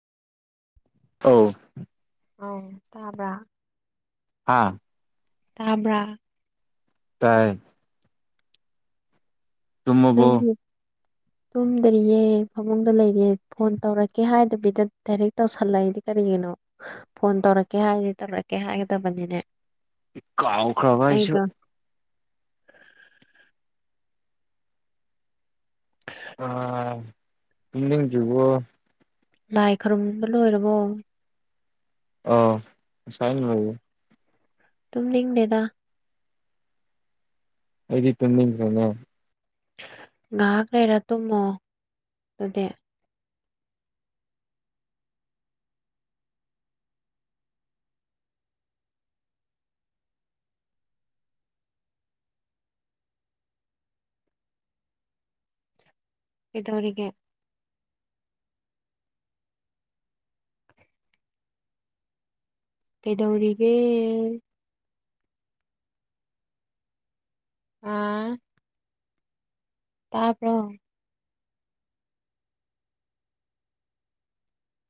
ꯑꯧ ꯑꯥꯎ ꯇꯥꯕ꯭ꯔꯥ ꯍꯥꯥ ꯇꯥꯕ꯭ꯔ ꯇꯥꯏꯌꯦ ꯇꯨꯝꯃꯕꯣ ꯅꯪꯒꯤ ꯇꯨꯝꯗꯔꯤꯌꯦ ꯐꯃꯨꯡꯗ ꯂꯩꯔꯦ ꯐꯣꯟ ꯇꯧꯔꯛꯀꯦ ꯍꯥꯏꯗꯕꯤꯗ ꯗꯥꯏꯔꯦꯛ ꯇꯧꯁꯜꯂꯛꯏꯗꯤ ꯀꯔꯤ ꯒꯤꯅꯣ ꯐꯣꯟ ꯇꯧꯔꯛꯀꯦ ꯍꯥꯏꯔꯗꯤ ꯇꯧꯔꯛꯀꯦ ꯍꯥꯏꯒꯗꯕꯅꯤꯅꯦ ꯀꯥꯎꯈ꯭ꯔꯕ ꯑꯩꯁꯨ ꯑꯩꯗꯣ [inaudible] ꯑꯥ ꯇꯨꯝꯅꯤꯡꯗ꯭ꯔꯤꯕꯣ ꯂꯥꯏ ꯈꯨꯔꯨꯝꯕ ꯂꯣꯏꯔꯕꯣ ꯑꯥ ꯉꯁꯥꯏꯅ ꯂꯣꯏꯔꯦ ꯇꯨꯝꯅꯤꯡꯗꯦꯗ ꯑꯩꯗꯤ ꯇꯨꯝꯅꯤꯡꯕꯅ ꯉꯥꯛ ꯂꯩꯔ ꯇꯨꯝꯃꯣ ꯗꯨꯗꯤ ꯀꯩꯗꯧꯔꯤꯒꯦ ꯀꯩꯗꯧꯔꯤꯒꯦ ꯑꯥ ꯇꯥꯕ꯭ꯔꯣ